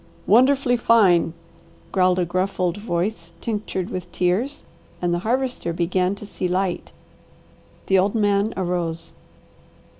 "Wonderfully fine!" growled a gruff old voice tinctured with tears, and the Harvester began to see light. The old man arose.